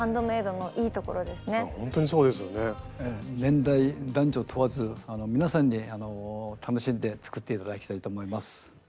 年代男女問わず皆さんに楽しんで作って頂きたいと思います。